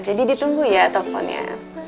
jadi ditunggu ya tombolnya